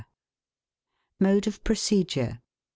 Mode of Procedure.